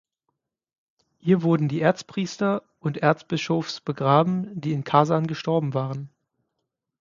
Hier wurden die Erzpriester und Erzbischofs begraben, die in Kasan gestorben waren.